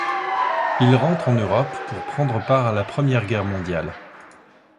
Il rentre en Europe pour prendre part à la Première Guerre mondiale.